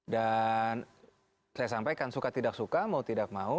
dan saya sampaikan suka tidak suka mau tidak mau